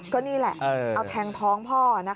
ก็นี่แหละเอาแทงท้องพ่อนะคะ